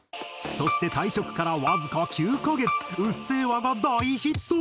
そして退職からわずか９カ月『うっせぇわ』が大ヒット！